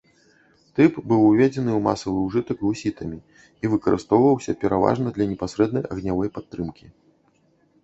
Тып быў уведзены ў масавы ўжытак гусітамі і выкарыстоўваўся пераважна для непасрэднай агнявой падтрымкі.